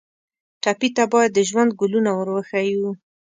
ټپي ته باید د ژوند ګلونه ور وښیو.